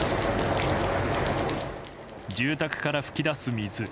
住宅から噴き出す水。